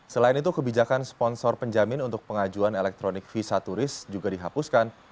selain itu kebijakan sponsor penjamin untuk pengajuan elektronik visa turis juga dihapuskan